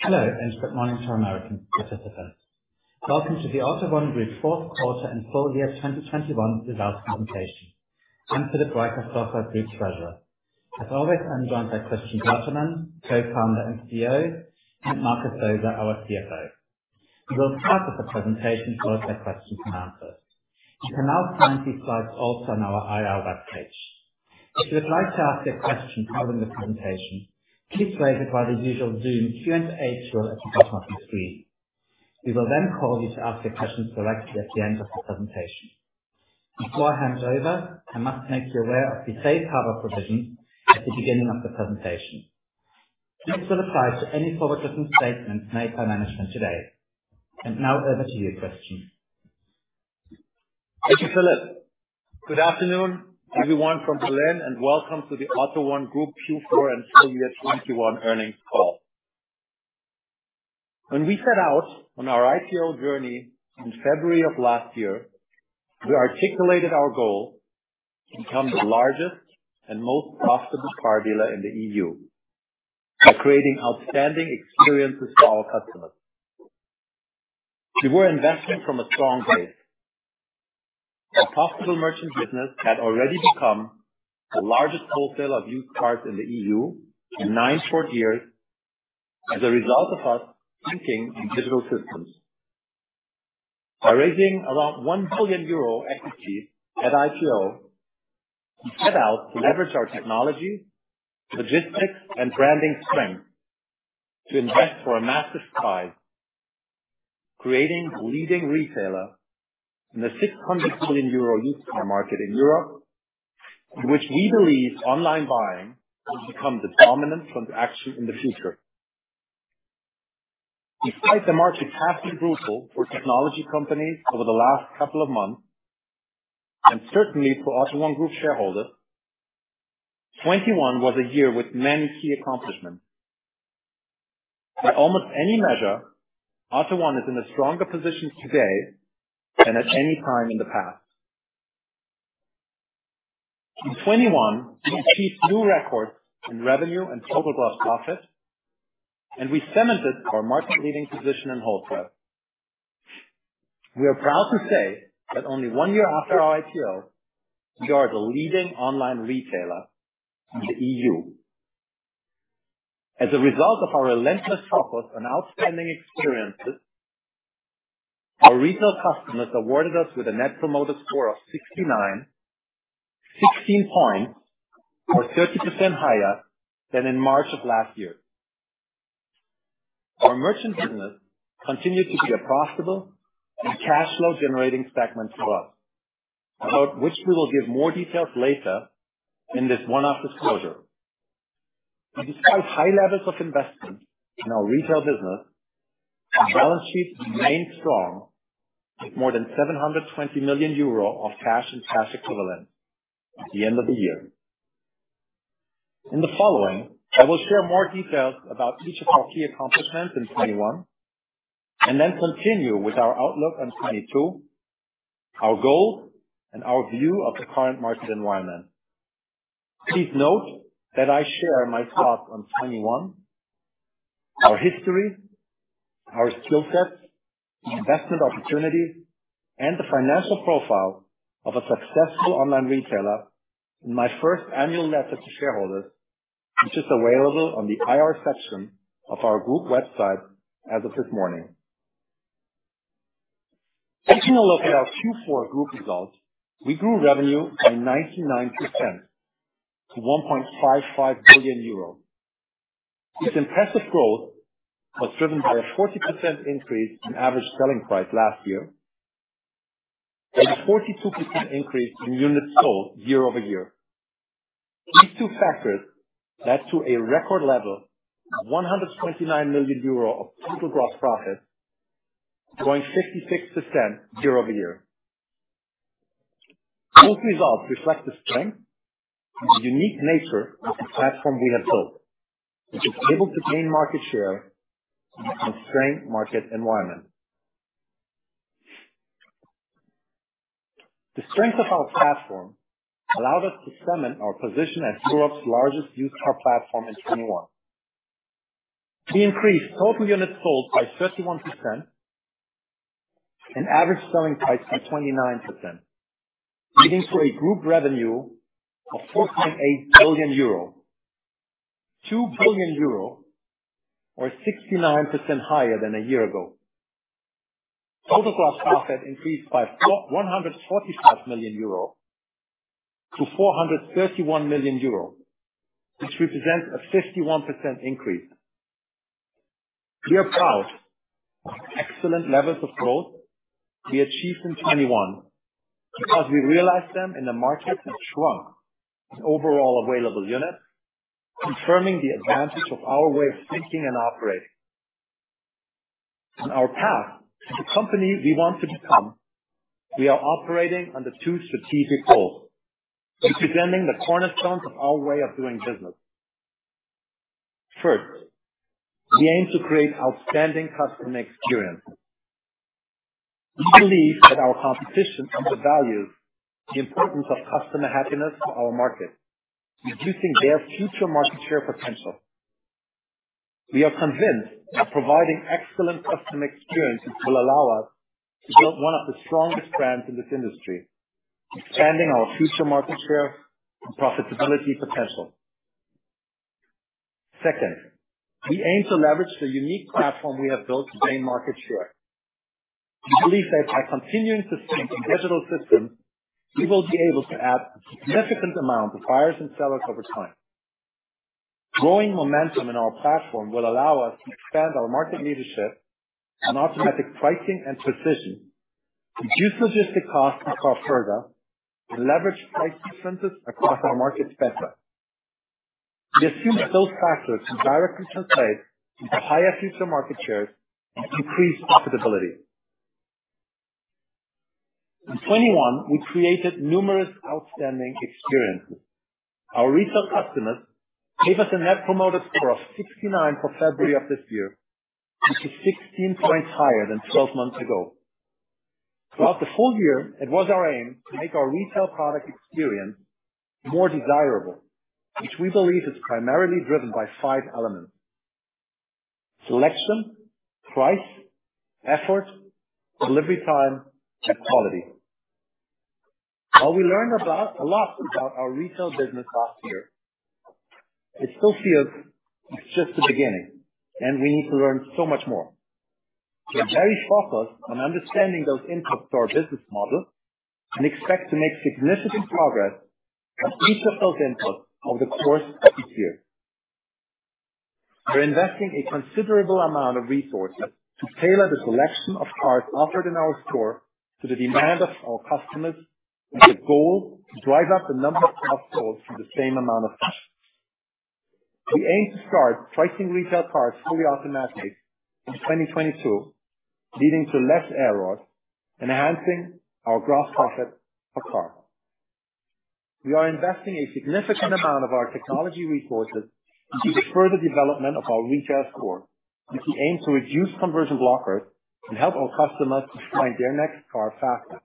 Hello, and good morning to our American participants. Welcome to the AUTO1 Group SE's Q4 and full year 2021 results presentation. I'm Philip Reicherstorfer, our Chief Treasurer. As always, I'm joined by Christian Bertermann, Co-Founder and CEO, and Markus Boser, our CFO. We will start with the presentation, followed by question-and-answer. You can now find these slides also on our IR web page. If you would like to ask a question following the presentation, please raise it via the usual Zoom Q&A tool at the bottom of the screen. We will then call you to ask your question directly at the end of the presentation. Before I hand it over, I must make you aware of the safe harbor provision at the beginning of the presentation. This will apply to any forward-looking statements made by management today. Now over to you, Christian. Thank you, Philipp. Good afternoon, everyone from Berlin, and welcome to the AUTO1 Group Q4 and full year 2021 earnings call. When we set out on our IPO journey in February of last year, we articulated our goal to become the largest and most profitable car dealer in the EU by creating outstanding experiences for our customers. We were investing from a strong base. Our profitable merchant business had already become the largest wholesaler of used cars in the EU in nine short years as a result of us thinking in digital systems. By raising around 1 billion euro equity at IPO, we set out to leverage our technology, logistics, and branding strength to invest for a massive prize, creating a leading retailer in the 600 billion euro used car market in Europe, in which we believe online buying will become the dominant transaction in the future. Despite the market having been brutal for technology companies over the last couple of months, and certainly for AUTO1 Group shareholders, 2021 was a year with many key accomplishments. By almost any measure, AUTO1 is in a stronger position today than at any time in the past. In 2021, we achieved new records in revenue and total gross profit, and we cemented our market-leading position in wholesale. We are proud to say that only one year after our IPO, we are the leading online retailer in the EU. As a result of our relentless focus on outstanding experiences, our retail customers awarded us with a net promoter score of 69, 16 points or 30% higher than in March of last year. Our merchant business continues to be a profitable and cash flow generating segment for us, about which we will give more details later in this one-off disclosure. Despite high levels of investment in our retail business, our balance sheet remains strong, with more than 720 million euro of cash and cash equivalents at the end of the year. In the following, I will share more details about each of our key accomplishments in 2021, and then continue with our outlook on 2022, our goal, and our view of the current market environment. Please note that I share my thoughts on 2021, our history, our skill set, investment opportunities, and the financial profile of a successful online retailer in my first annual letter to shareholders, which is available on the IR section of our group website as of this morning. Taking a look at our Q4 group results, we grew revenue by 99% to EUR 1.55 billion. This impressive growth was driven by a 40% increase in average selling price last year and a 42% increase in units sold year over year. These two factors add to a record level of 129 million euro of total gross profit, growing 66% year over year. These results reflect the strength and the unique nature of the platform we have built, which is able to gain market share in a constrained market environment. The strength of our platform allowed us to cement our position as Europe's largest used car platform in 2021. We increased total units sold by 31% and average selling price by 29%, leading to a group revenue of 4.8 billion euro. 2 billion euro, or 69% higher than a year ago. Total gross profit increased by 145- 431 million euro, which represents a 51% increase. We are proud of the excellent levels of growth we achieved in 2021 because we realized them in a market that shrunk in overall available units, confirming the advantage of our way of thinking and operating. On our path to the company we want to become, we are operating under two strategic goals, representing the cornerstone of our way of doing business. First, we aim to create outstanding customer experience. We believe that our competition undervalues the importance of customer happiness to our market, reducing their future market share potential. We are convinced that providing excellent customer experiences will allow us to build one of the strongest brands in this industry, expanding our future market share and profitability potential. Second, we aim to leverage the unique platform we have built to gain market share. We believe that by continuing to strengthen digital systems, we will be able to add significant amount of buyers and sellers over time. Growing momentum in our platform will allow us to expand our market leadership and automatic pricing and precision, reduce logistics costs across Europe, and leverage price differences across our markets better. We assume those factors can directly translate into higher future market shares and increased profitability. In 2021, we created numerous outstanding experiences. Our retail customers gave us a Net Promoter Score of 69 for February of this year, which is 16 points higher than 12 months ago. Throughout the full year, it was our aim to make our retail product experience more desirable, which we believe is primarily driven by five elements, selection, price, effort, delivery time, and quality. While we learned about a lot about our retail business last year, it still feels it's just the beginning, and we need to learn so much more. We are very focused on understanding those inputs to our business model and expect to make significant progress on each of those inputs over the course of this year. We're investing a considerable amount of resources to tailor the selection of cars offered in our store to the demand of our customers, with the goal to drive up the number of car sales for the same amount of customers. We aim to start pricing retail cars fully automatically in 2022, leading to less errors, enhancing our gross profit per car. We are investing a significant amount of our technology resources to further development of our retail score, which we aim to reduce conversion blockers and help our customers to find their next car faster.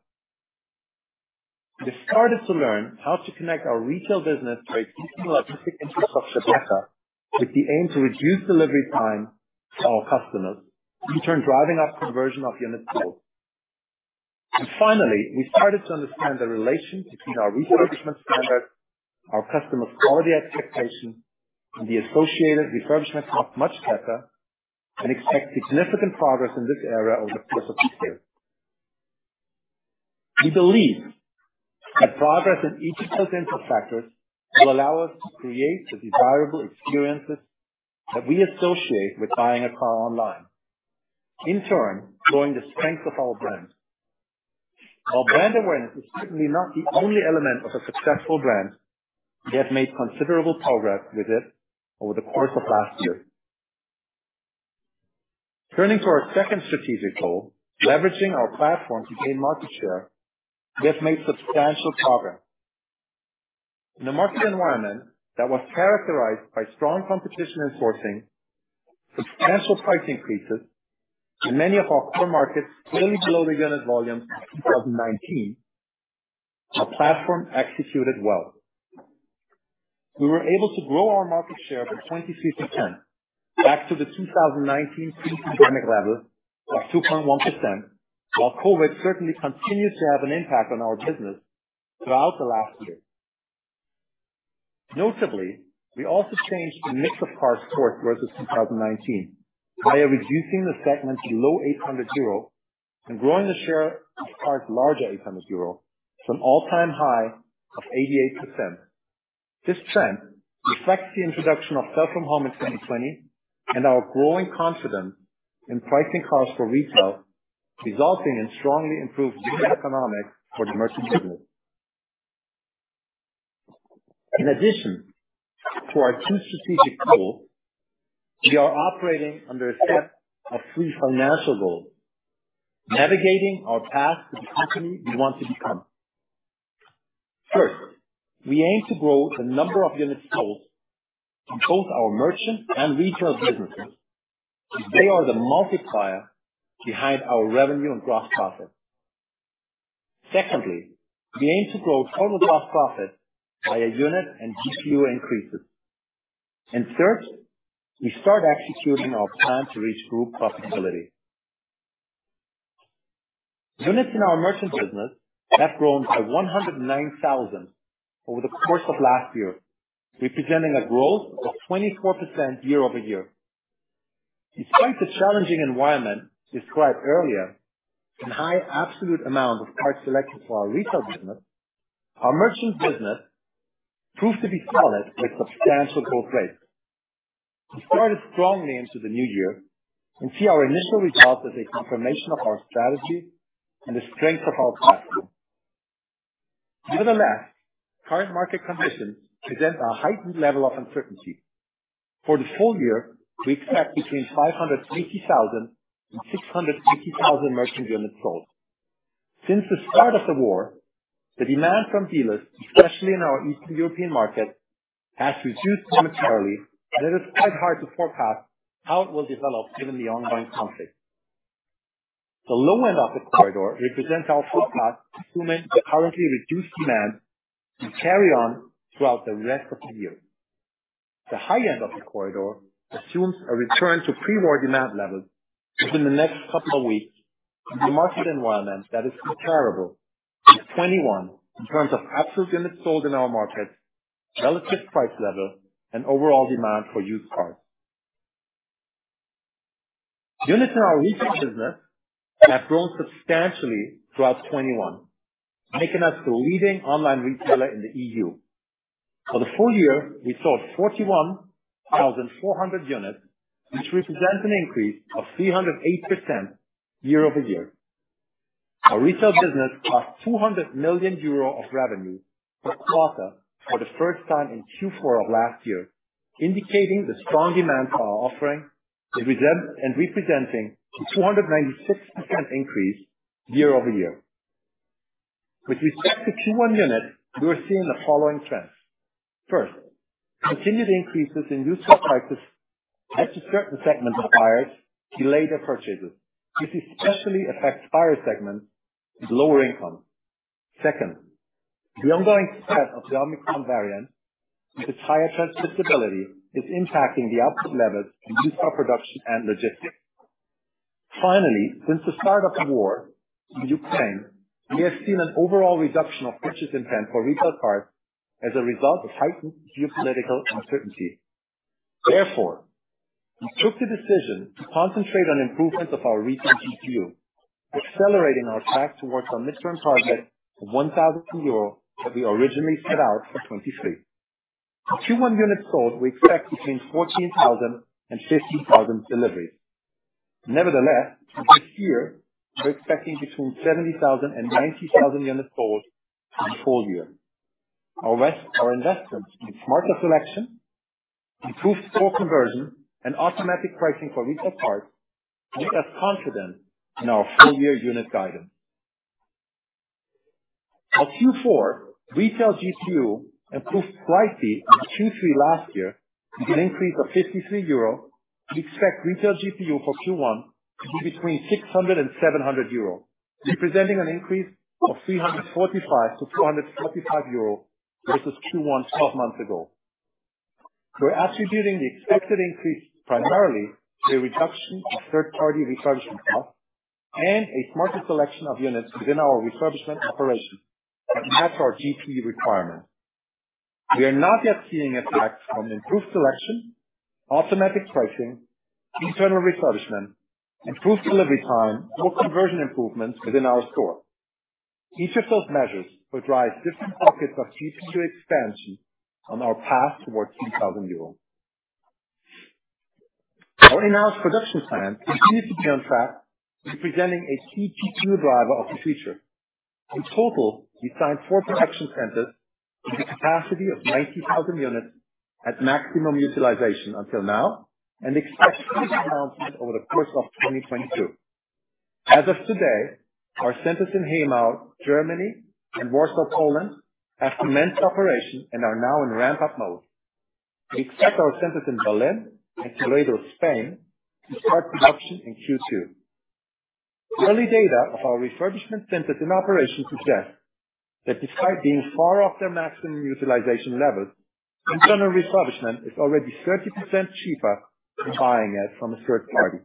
We have started to learn how to connect our retail business to a decentralized logistics infrastructure with the aim to reduce delivery time to our customers, in turn driving up conversion of units sold. Finally, we started to understand the relation between our refurbishment standards, our customers' quality expectations, and the associated refurbishment cost much better and expect significant progress in this area over the course of this year. We believe that progress in each of those input factors will allow us to create the desirable experiences that we associate with buying a car online, in turn growing the strength of our brand. While brand awareness is certainly not the only element of a successful brand, we have made considerable progress with it over the course of last year. Turning to our second strategic goal, leveraging our platform to gain market share, we have made substantial progress. In a market environment that was characterized by strong competition in sourcing, substantial price increases, and many of our core markets clearly below the unit volume in 2019, our platform executed well. We were able to grow our market share by 23%, back to the 2019 pre-pandemic level of 2.1%, while COVID certainly continues to have an impact on our business throughout the last year. Notably, we also changed the mix of cars sourced versus 2019 by reducing the segment below 800 euro and growing the share of cars larger 800 euro to an all-time high of 88%. This trend reflects the introduction of Sell from Home in 2020 and our growing confidence in pricing cars for retail, resulting in strongly improved unit economics for the merchant business. In addition to our two strategic goals, we are operating under a set of three financial goals, navigating our path to the company we want to become. First, we aim to grow the number of units sold in both our merchant and retail businesses, as they are the multiplier behind our revenue and gross profit. Secondly, we aim to grow total gross profit by unit and GPU increases. Third, we start executing our plan to reach group profitability. Units in our merchant business have grown by 109,000 over the course of last year, representing a growth of 24% year-over-year. Despite the challenging environment described earlier and high absolute amount of cars selected for our retail business, our merchant business proved to be solid with substantial growth rates. We started strongly into the new year and see our initial results as a confirmation of our strategy and the strength of our platform. Nevertheless, current market conditions present a heightened level of uncertainty. For the full year, we expect between 580,000 and 650,000 merchant units sold. Since the start of the war, the demand from dealers, especially in our Eastern European market, has reduced dramatically, and it is quite hard to forecast how it will develop given the ongoing conflict. The low end of the corridor represents our forecast assuming the currently reduced demand will carry on throughout the rest of the year. The high end of the corridor assumes a return to pre-war demand levels within the next couple of weeks, and a market environment that is comparable to 2021 in terms of absolute units sold in our markets, relative price level and overall demand for used cars. Units in our retail business have grown substantially throughout 2021, making us the leading online retailer in the EU. For the full year, we sold 41,400 units, which represents an increase of 308% year-over-year. Our retail business got 200 million euro of revenue for the quarter for the first time in Q4 of last year, indicating the strong demand for our offering, representing a 296% increase year-over-year. With respect to Q1 units, we are seeing the following trends. First, continued increases in used car prices as a certain segment of buyers delay their purchases. This especially affects buyer segments with lower income. Second, the ongoing spread of the Omicron variant and its higher transmissibility is impacting the output levels in used car production and logistics. Finally, since the start of the war in Ukraine, we have seen an overall reduction of purchase intent for retail cars as a result of heightened geopolitical uncertainty. Therefore, we took the decision to concentrate on improvements of our retail GPU, accelerating our track towards our midterm target of 1,000 euros that we originally set out for 2023. For Q1 units sold, we expect between 14,000 and 15,000 deliveries. Nevertheless, for this year, we're expecting between 70,000 and 90,000 units sold for the full year. Our investments in smarter selection, improved store conversion and automatic pricing for retail parts leave us confident in our full year unit guidance. Our Q4 retail GPU improved slightly on Q3 last year with an increase of 53 euro. We expect retail GPU for Q1 to be between 600 and 700 euro, representing an increase of 345-245 euro versus Q1 12 months ago. We're attributing the expected increase primarily to a reduction of third party refurbishment costs and a smarter selection of units within our refurbishment operation that match our GPU requirements. We are not yet seeing effects from improved selection, automatic pricing, internal refurbishment, improved delivery time or conversion improvements within our store. Each of those measures will drive different pockets of GPU expansion on our path towards 2,000 euros. Our in-house production plan continues to be on track, representing a key GPU driver of the future. In total, we signed four production centers with a capacity of 90,000 units at maximum utilization until now, and expect further announcements over the course of 2022. As of today, our centers in Hemau, Germany, and Warsaw, Poland, have commenced operation and are now in ramp-up mode. We expect our centers in Berlin and Toledo, Spain, to start production in Q2. Early data of our refurbishment centers in operation suggest that despite being far off their maximum utilization levels, internal refurbishment is already 30% cheaper than buying it from a third party.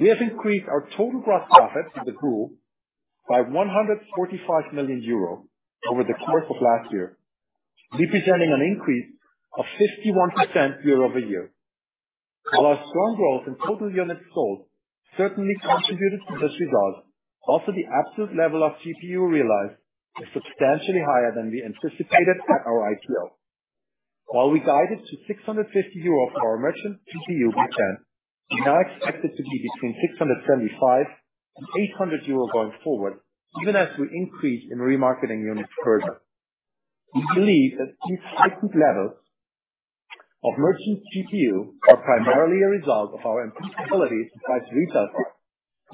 We have increased our total gross profit as a group by 145 million euro over the course of last year, representing an increase of 51% year-over-year. While our strong growth in total units sold certainly contributed to this result, also the absolute level of GPU realized is substantially higher than we anticipated at our IPO. While we guided to 650 euro for our merchant GPU retention, we now expect it to be between 675 and 800 euro going forward, even as we increase in remarketing units further. We believe that these heightened levels of merchant GPU are primarily a result of our improved ability to price retail cars,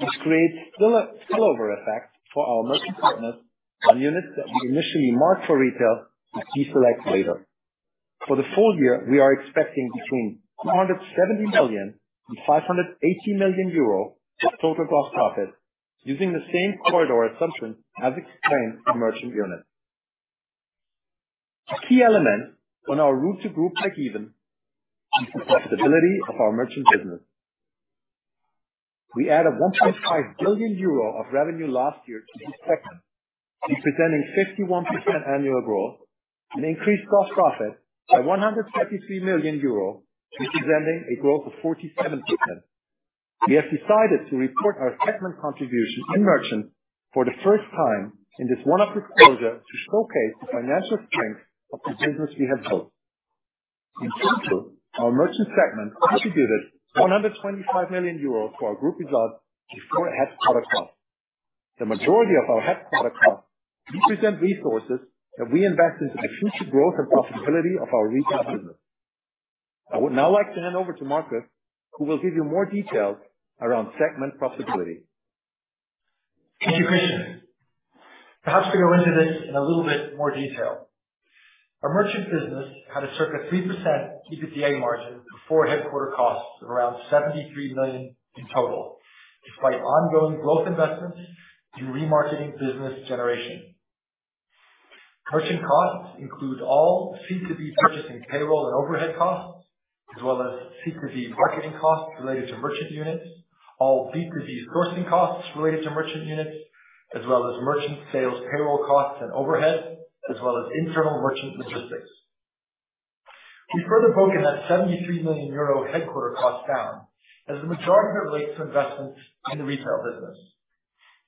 which creates spillover effects for our merchant partners on units that we initially marked for retail but deselect later. For the full year, we are expecting between 470 million and 580 million euro in total gross profit using the same corridor assumption as explained for merchant units. A key element on our route to group breakeven is the profitability of our merchant business. We added 1.5 billion euro of revenue last year to this segment, representing 51% annual growth and increased gross profit by 133 million euro, representing a growth of 47%. We have decided to report our segment contributions in merchant for the first time in this one-off disclosure to showcase the financial strength of the business we have built. In full year, our merchant segment contributed 125 million euros to our group results before headquarter costs. The majority of our headquarter costs represent resources that we invest into the future growth and profitability of our retail business. I would now like to hand over to Markus, who will give you more details around segment profitability. Thank you, Christian. Perhaps we go into this in a little bit more detail. Our merchant business had a circa 3% EBITDA margin before headquarters costs of around EUR 73 million in total, despite ongoing growth investments in remarketing business generation. Merchant costs includes all B2B purchasing payroll and overhead costs, as well as B2B marketing costs related to merchant units, all B2B sourcing costs related to merchant units, as well as merchant sales payroll costs and overhead, as well as internal merchant logistics. We further broke that 73 million euro headquarters cost down as the majority relates to investments in the retail business.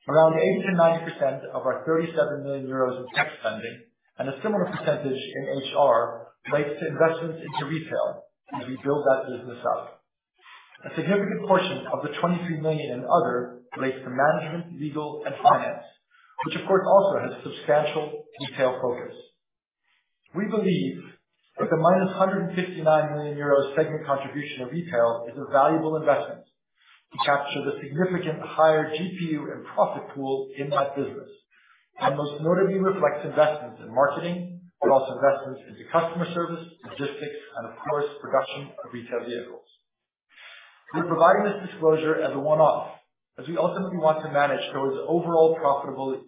Around 80%-90% of our 37 million euros in tech spending and a similar percentage in HR relates to investments into retail as we build that business up. A significant portion of the 23 million in other relates to management, legal, and finance, which of course also has a substantial retail focus. We believe that the -159 million euro segment contribution of retail is a valuable investment to capture the significant higher GPU and profit pool in that business, and most notably reflects investments in marketing, but also investments into customer service, logistics, and of course production of retail vehicles. We're providing this disclosure as a one-off as we ultimately want to manage towards overall profitable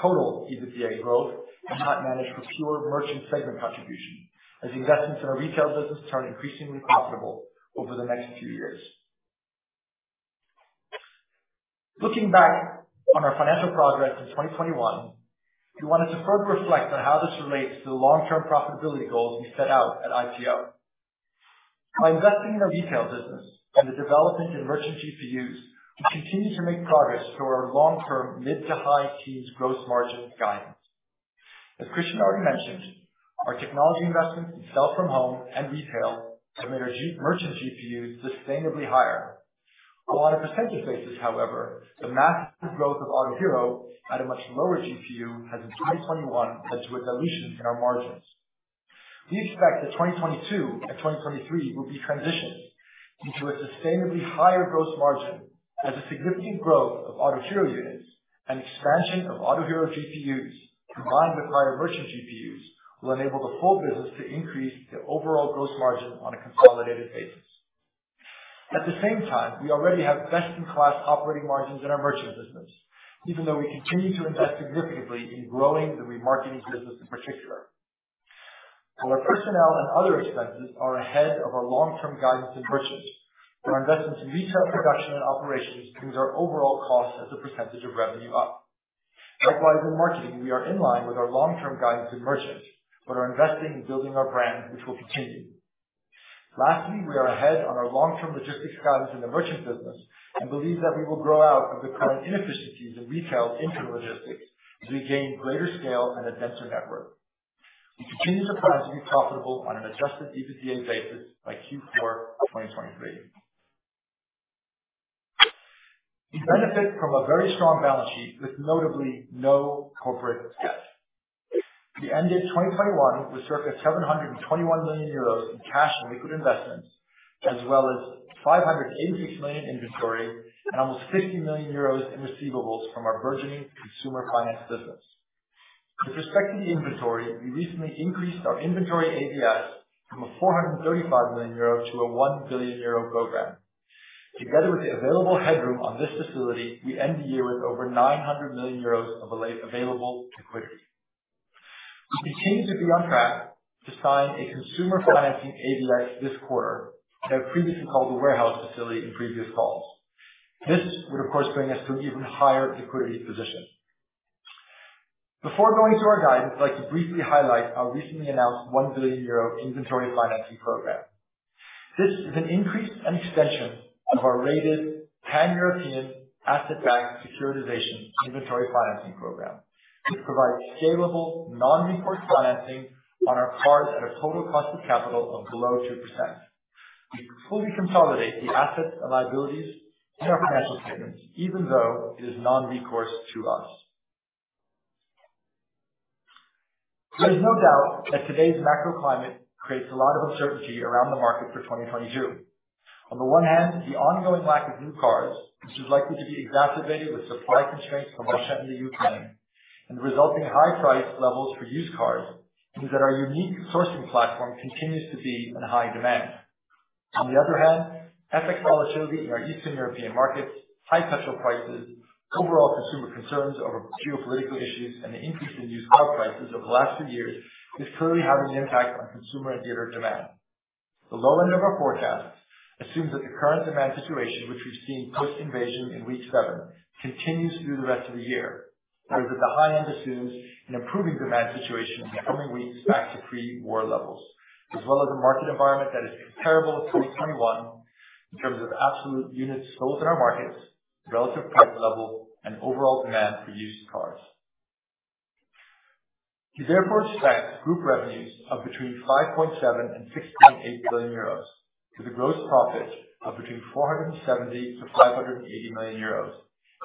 total EBITDA growth and not manage for pure merchant segment contribution as investments in our retail business turn increasingly profitable over the next few years. Looking back on our financial progress in 2021, we wanted to first reflect on how this relates to the long-term profitability goals we set out at IPO. By investing in our retail business and the development in merchant GPUs, we continue to make progress toward our long-term mid-to-high teens gross margin guidance. As Christian already mentioned, our technology investments in Sell from Home and retail have made our merchant GPU sustainably higher. On a percentage basis, however, the massive growth of Autohero at a much lower GPU has in 2021 led to a dilution in our margins. We expect that 2022 and 2023 will be transitions into a sustainably higher gross margin as the significant growth of Autohero units and expansion of Autohero GPUs combined with higher merchant GPUs will enable the whole business to increase the overall gross margin on a consolidated basis. At the same time, we already have best-in-class operating margins in our merchant business, even though we continue to invest significantly in growing the Remarketing business in particular. Our personnel and other expenses are ahead of our long-term guidance in merchant. Our investment in retail production and operations brings our overall cost as a percentage of revenue up. Likewise, in marketing, we are in line with our long-term guidance in merchant, but are investing in building our brand, which will continue. Lastly, we are ahead on our long-term logistics guidance in the merchant business and believe that we will grow out of the current inefficiencies in retail into logistics as we gain greater scale and a denser network. We continue to plan to be profitable on an Adjusted EBITDA basis by Q4 2023. We benefit from a very strong balance sheet with notably no corporate debt. We ended 2021 with circa 721 million euros in cash and liquid investments, as well as 586 million inventory and almost 50 million euros in receivables from our burgeoning consumer finance business. With respect to the inventory, we recently increased our inventory ABS from a 435 million euro to a 1 billion euro program. Together with the available headroom on this facility, we end the year with over 900 million euros of available liquidity. We continue to be on track to sign a consumer financing ABS this quarter that I previously called the warehouse facility in previous calls. This would of course bring us to an even higher liquidity position. Before going to our guidance, I'd like to briefly highlight our recently announced 1 billion euro inventory financing program. This is an increase and extension of our rated pan-European asset-backed securitization inventory financing program, which provides scalable non-recourse financing on our part at a total cost of capital of below 2%. We fully consolidate the assets and liabilities in our financial statements, even though it is non-recourse to us. There is no doubt that today's macro climate creates a lot of uncertainty around the market for 2022. On the one hand, the ongoing lack of new cars, which is likely to be exacerbated with supply constraints from Russia into Ukraine and resulting high price levels for used cars, means that our unique sourcing platform continues to be in high demand. On the other hand, FX volatility in our Eastern European markets, high petrol prices, overall consumer concerns over geopolitical issues, and the increase in used car prices over the last two years is clearly having an impact on consumer and dealer demand. The low end of our forecast assumes that the current demand situation, which we've seen post-invasion in week seven, continues through the rest of the year. Whereas at the high end assumes an improving demand situation in the coming weeks back to pre-war levels, as well as a market environment that is comparable to 2021 in terms of absolute units sold in our markets, relative price level, and overall demand for used cars. We therefore expect group revenues of between 5.7-6.8 billion euros with a gross profit of between 470-580 million euros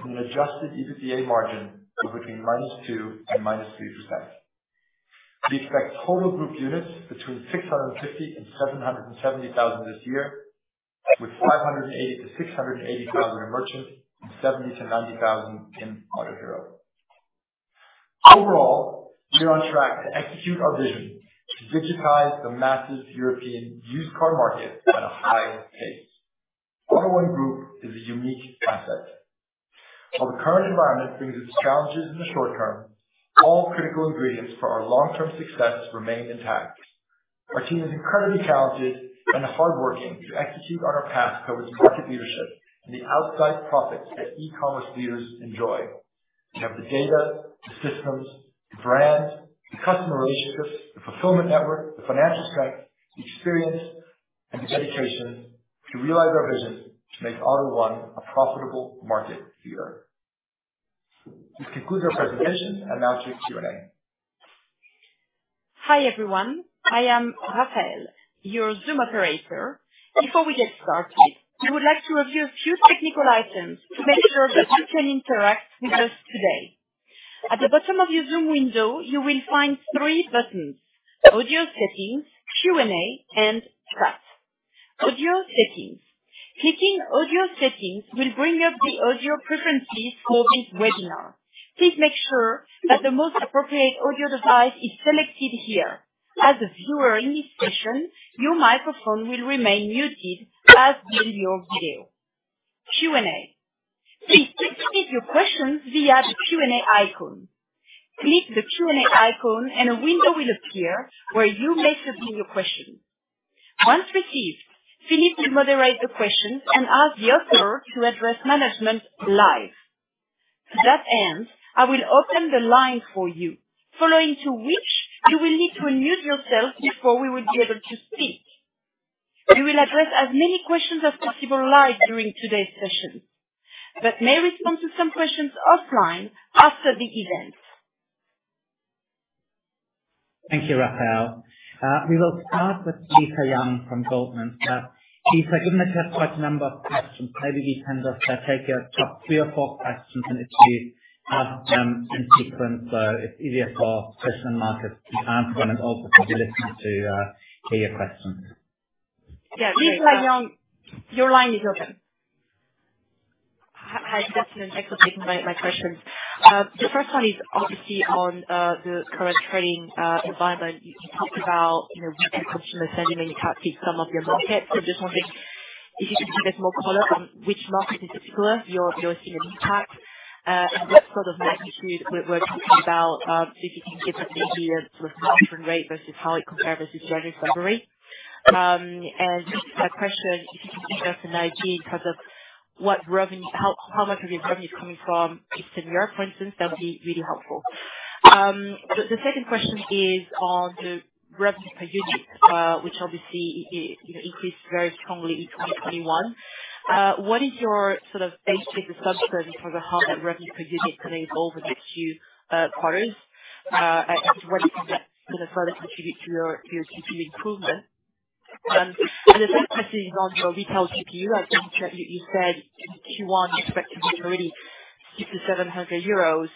on an Adjusted EBITDA margin of between -2% and -3%. We expect total group units between 650-770 thousand this year, with 580-680 thousand in merchant and 70-90 thousand in Autohero. Overall, we are on track to execute our vision to digitize the massive European used car market at a high pace. AUTO1 Group is a unique concept. While the current environment brings its challenges in the short term, all critical ingredients for our long-term success remain intact. Our team is incredibly talented and hardworking to execute on our path towards market leadership and the outsized profits that e-commerce leaders enjoy. We have the data, the systems, the brand, the customer relationships, the fulfillment network, the financial strength, the experience, and the dedication to realize our vision to make AUTO1 a profitable market leader. This concludes our presentation. I now take Q&A. Hi, everyone. I am Raphael, your Zoom operator. Before we get started, I would like to review a few technical items to make sure that you can interact with us today. At the bottom of your Zoom window, you will find three buttons: Audio settings, Q&A, and Chat. Audio settings. Clicking Audio settings will bring up the audio preferences for this webinar. Please make sure that the most appropriate audio device is selected here. As a viewer in this session, your microphone will remain muted, as will your video. Q&A. Please submit your questions via the Q&A icon. Click the Q&A icon and a window will appear where you may submit your question. Once received, Philipp will moderate the questions and ask the author to address management live. To that end, I will open the line for you. Following which, you will need to unmute yourself before we will be able to speak. We will address as many questions as possible live during today's session, but may respond to some questions offline after the event. Thank you, Raphael. We will start with Lisa Yang from Goldman. Lisa, given that you have quite a number of questions, maybe you can just take three or four questions and just ask them in sequence, so it's easier for Christian and Markus to answer and also for the listeners to hear your questions. Yeah. Lisa Yang, your line is open. Hi, thanks for taking my questions. The first one is obviously on the current trading environment. You talked about, you know, weaker consumer sentiment impacting some of your markets. Just wondering if you can give us more color on which market in particular you're seeing an impact. And what sort of magnitude we're talking about, if you can give us maybe a sort of conversion rate versus how it compares versus your February. And just a question, if you can give us an idea in terms of what revenue, how much of your revenue is coming from Eastern Europe, for instance, that would be really helpful. The second question is on the revenue per unit, which obviously increased very strongly in 2021. What is your sort of base case assumption for how that revenue per unit plays over the next few quarters? To what extent is that going to further contribute to your GPU improvement? The third question is on your retail GPU. I think that you said in Q1 you expect it to be really 600-700 euros.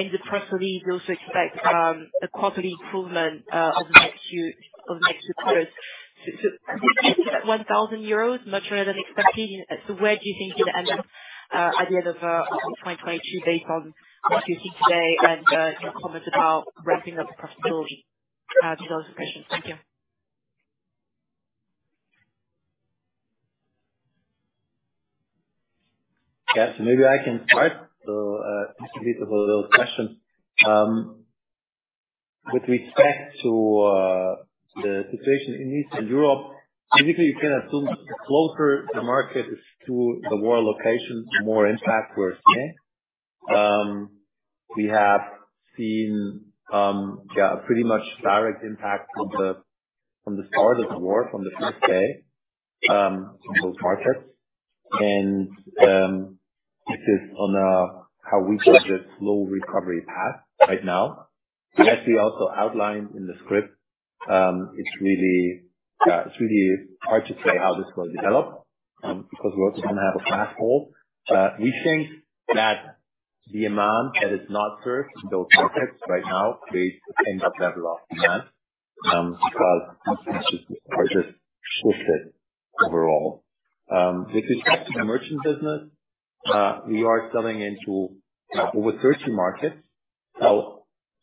In the press release, you also expect a quarterly improvement on the next few quarters. Is that 1,000 euros much higher than expected? Where do you think it'll end up at the end of 2022 based on what you've seen today and your comments about ramping up profitability? These are all the questions. Thank you. Yes, maybe I can start. To answer Lisa's questions. With respect to the situation in Eastern Europe, typically you can assume the closer the market is to the war location, the more impact we're seeing. We have seen, yeah, pretty much direct impact from the start of the war, from the first day, on those markets. This is how we project a slow recovery path right now. As we also outlined in the script, it's really hard to say how this will develop, because we also don't have a crystal ball. We think that the demand that is not served in those markets right now creates a pent-up level of demand, because consumers are just shifted overall. With respect to the merchant business, we are selling into over 30 markets.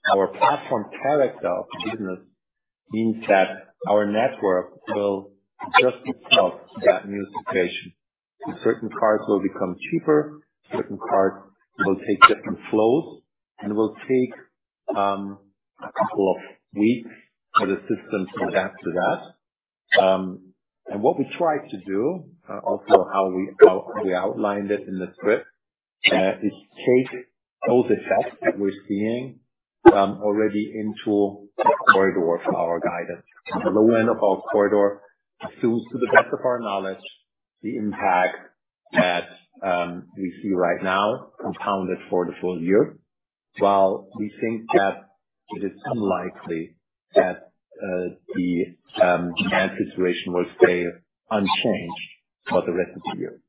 Our platform character of business means that our network will adjust itself to that new situation. Certain cars will become cheaper, certain cars will take different flows, and will take a couple of weeks for the system to adapt to that. What we try to do, also how we outlined it in the script, is take those effects that we're seeing already into the corridor for our guidance. The low end of our corridor assumes to the best of our knowledge, the impact that we see right now compounded for the full year, while we think that it is unlikely that the demand situation will stay unchanged for the rest of the year.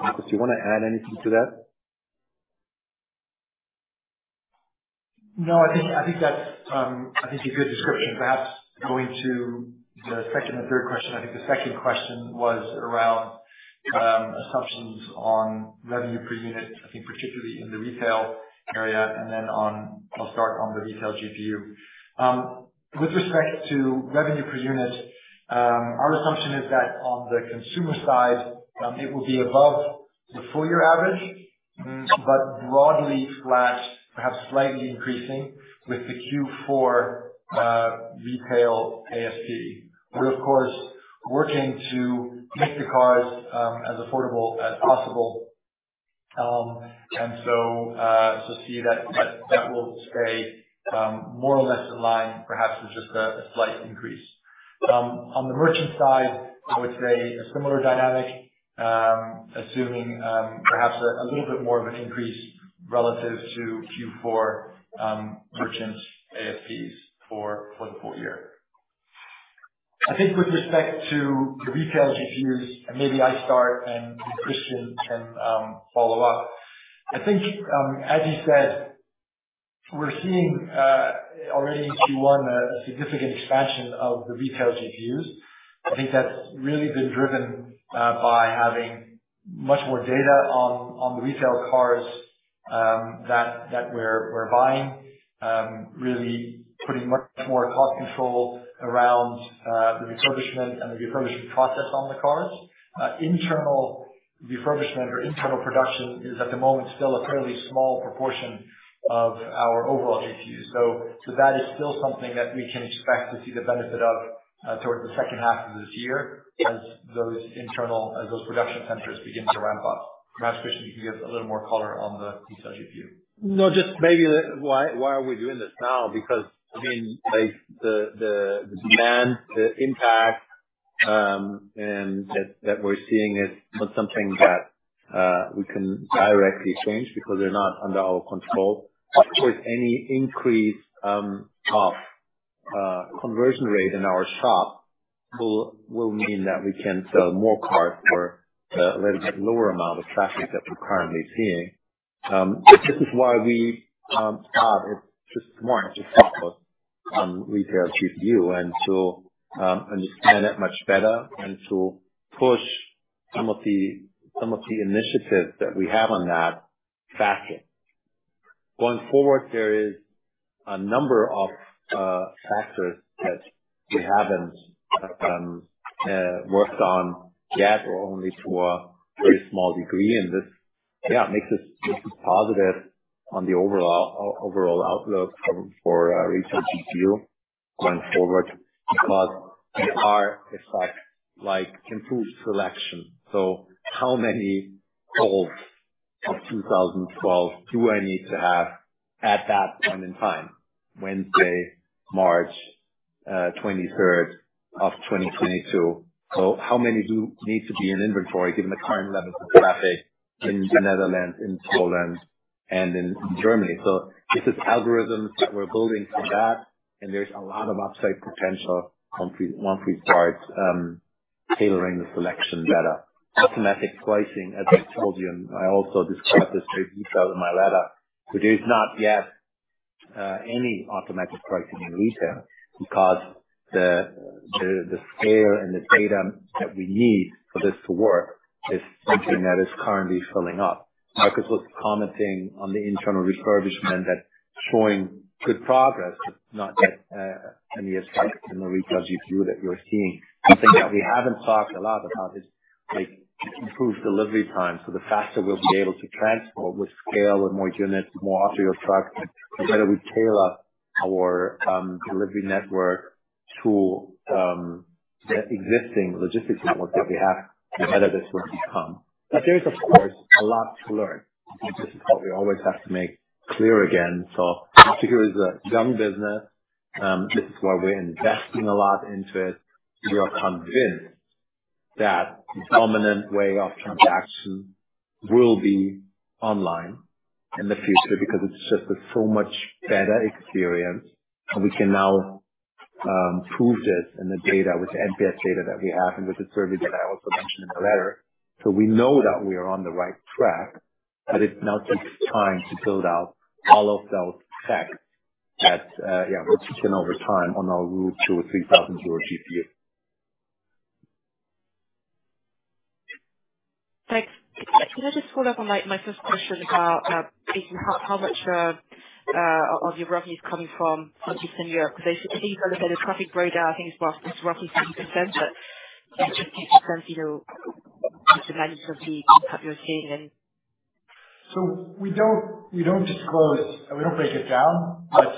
Markus, do you want to add anything to that? No, I think that's a good description. Perhaps going to the second and third question. I think the second question was around assumptions on revenue per unit, I think particularly in the retail area, and then I'll start on the retail GPU. With respect to revenue per unit, our assumption is that on the consumer side, it will be above the full year average. Mm-hmm. Broadly flat, perhaps slightly increasing with the Q4 retail ASP. We're of course working to make the cars as affordable as possible. We see that that will stay more or less in line, perhaps with just a slight increase. On the merchant side, I would say a similar dynamic, assuming perhaps a little bit more of an increase relative to Q4, merchant ASPs for the full year. I think with respect to the retail GPUs, maybe I start and Christian can follow up. I think, as you said, we're seeing already in Q1 a significant expansion of the retail GPUs. I think that's really been driven by having much more data on the retail cars that we're buying. Really putting much more cost control around the refurbishment and the refurbishment process on the cars. Internal refurbishment or internal production is at the moment still a fairly small proportion of our overall GPUs. That is still something that we can expect to see the benefit of towards the H2 of this year as those production centers begin to ramp up. Perhaps, Christian, you can give a little more color on the retail GPU. No, just maybe the why are we doing this now? Because, I mean, like the demand, the impact, and that we're seeing is not something that we can directly change because they're not under our control. Of course, any increase of conversion rate in our shop will mean that we can sell more cars for a little bit lower amount of traffic that we're currently seeing. This is why we started just more to focus on retail GPU and to understand that much better and to push some of the initiatives that we have on that faster. Going forward, there is a number of factors that we haven't worked on yet or only to a very small degree. This, yeah, makes us super positive on the overall outlook for our retail GPU going forward, because there are effects like improved selection. How many Volts of 2012 do I need to have at that point in time, Wednesday, March 23rd, 2022? How many do we need to be in inventory given the current levels of traffic in the Netherlands, in Poland, and in Germany? These are algorithms that we're building for that, and there's a lot of upside potential once we start tailoring the selection better. Automatic pricing, as I told you, and I also described this to you in my letter. There is not yet any automatic pricing in retail because the scale and the data that we need for this to work is something that is currently filling up. Markus was commenting on the internal refurbishment that's showing good progress, but not yet any effect in the retail GPU that you're seeing. Something that we haven't talked a lot about is like improved delivery time. The faster we'll be able to transport with scale, with more units, more arterial trucks, and whether we tailor our delivery network to the existing logistics network that we have and whether this will become. But there is of course a lot to learn. This is what we always have to make clear again. Particularly as a young business, this is why we're investing a lot into it. We are convinced that the dominant way of transaction will be online in the future because it's just so much better experience, and we can now prove this in the data with the NPS data that we have and with the survey that I also mentioned in the letter. We know that we are on the right track, but it now takes time to build out all of those facts that we're reaching over time on our route to a 3,000 euro GPU. Thanks. Could I just follow up on my first question about how much of your revenue is coming from Eastern Europe? Because I think I looked at a traffic breakdown. I think it was roughly 30%, but just give a sense of the magnitude of the opportunity. We don't disclose. We don't break it down, but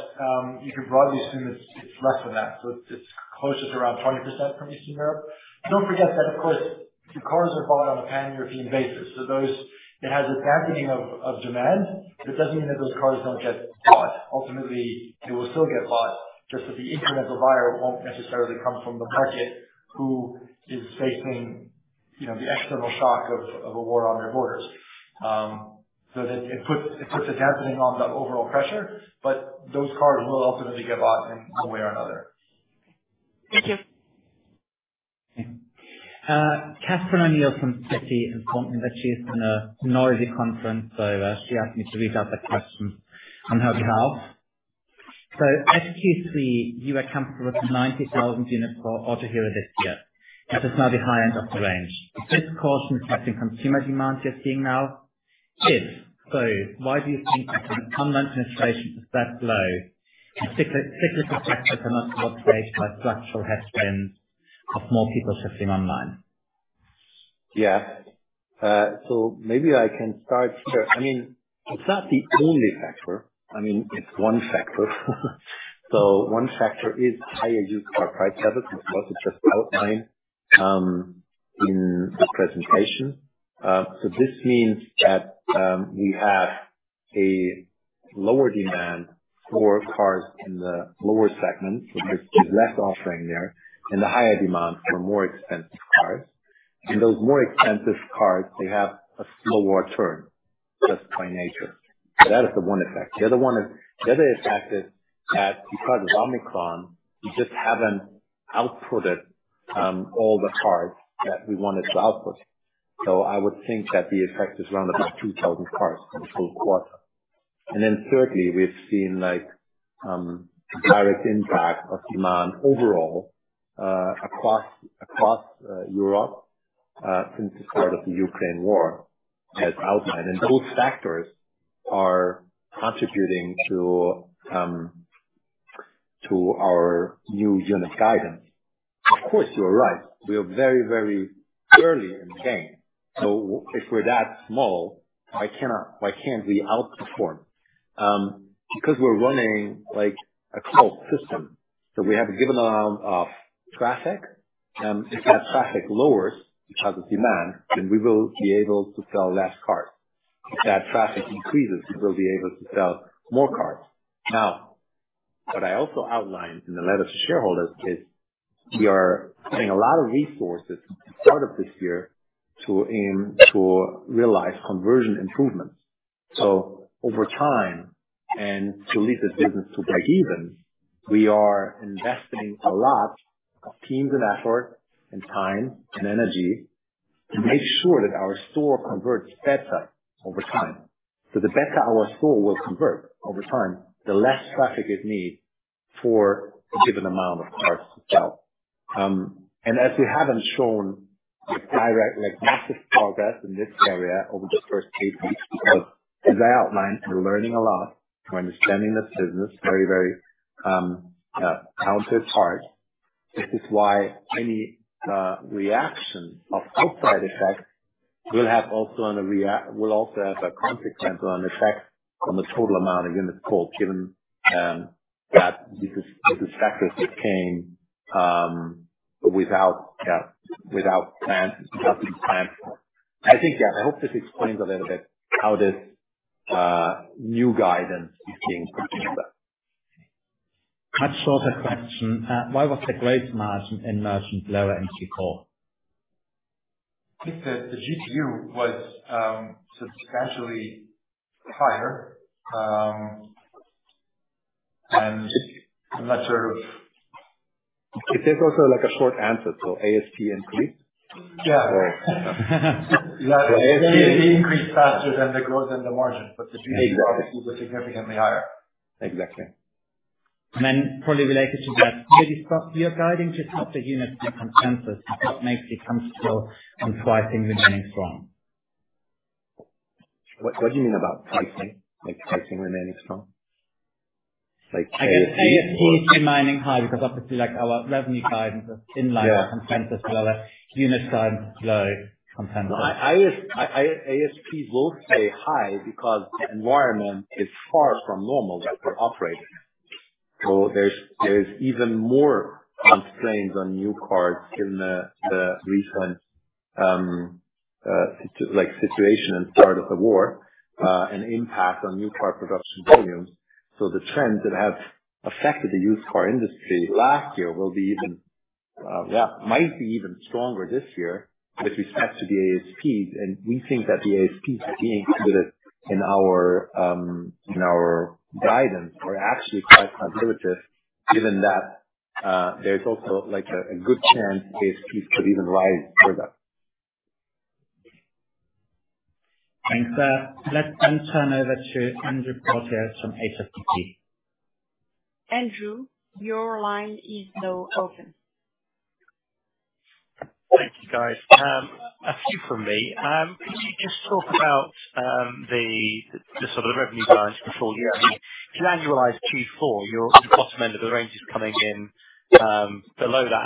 you could broadly assume it's less than that. It's closest around 20% from Eastern Europe. Don't forget that of course, the cars are bought on a Pan-European basis. It has a dampening of demand, but it doesn't mean that those cars don't get bought. Ultimately, they will still get bought, just that the incremental buyer won't necessarily come from the market who is facing the external shock of a war on their borders. It puts a dampening on the overall pressure, but those cars will ultimately get bought in one way or another. Thank you. Catherine O'Neill from Citi. That she's on a minority conference, she asked me to read out that question on her behalf. At Q3, you were comfortable with the 90,000 units for Autohero this year. That is now the high end of the range. Is this caution affecting consumer demand you're seeing now? If so, why do you think that an online penetration is that low, and particularly factors that are not corroborated by structural headwinds of more people shifting online? Yeah. Maybe I can start. I mean, it's not the only factor. I mean, it's one factor. One factor is higher used car price levels, as was just outlined, in the presentation. This means that, we have a lower demand for cars in the lower segments, so there's less offering there, and a higher demand for more expensive cars. Those more expensive cars, they have a slower turn, just by nature. That is the one effect. The other effect is that because of Omicron, we just haven't outputted, all the cars that we wanted to output. I would think that the effect is around about 2,000 cars for the whole quarter. Thirdly, we've seen like, direct impact of demand overall, across Europe, since the start of the Ukraine war, as outlined. Those factors are contributing to our new unit guidance. Of course, you are right. We are very early in the game. If we're that small, why can't we outperform? Because we're running, like, a closed system. We have a given amount of traffic, and if that traffic lowers because of demand, then we will be able to sell less cars. If that traffic increases, we will be able to sell more cars. Now, what I also outlined in the letter to shareholders is we are putting a lot of resources at the start of this year to aim to realize conversion improvements. Over time, and to lead this business to breakeven, we are investing a lot of teams and effort and time and energy to make sure that our store converts better over time. The better our store will convert over time, the less traffic it needs for a given amount of cars to sell. As we haven't shown the direct, like, massive progress in this area over the first eight weeks, because as I outlined, we're learning a lot, we're understanding this business very, very counterparts. This is why any reaction of outside effects will also have a consequential effect on the total amount of units sold, given that these are factors that came without being planned for. I think, yeah, I hope this explains a little bit how this new guidance is being put together. Much shorter question. Why was the gross margin and margin lower in Q4? I think the GPU was substantially higher. I'm not sure if If there's also like a short answer, so ASP increased? Yeah. The ASP increased faster than the growth and the margin, but the GPU was significantly higher. Exactly. Probably related to that, can you just talk through your guidance just after unit consensus, what makes you comfortable on pricing remaining strong? What do you mean about pricing? Like, pricing remaining strong? Like ASP or- Like ASP remaining high, because obviously like our revenue guidance is in line. Yeah. with consensus as well as unit guidance below consensus. ASP will stay high because the environment is far from normal, like, for operating. There's even more constraints on new cars in the recent situation and start of the war, and impact on new car production volumes. The trends that have affected the used car industry last year might be even stronger this year with respect to the ASPs. We think that the ASPs being included in our guidance are actually quite conservative, given that there's also like a good chance ASPs could even rise further. Thanks. Let's turn over to Andrew Pelton from HSBC. Andrew, your line is now open. Thank you, guys. A few from me. Could you just talk about the sort of revenue guidance for the full year? I mean, if you annualize Q4, your bottom end of the range is coming in below the